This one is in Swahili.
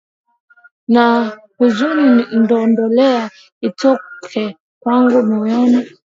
Na huzuni n’ondolea, itoke mwangu moyoni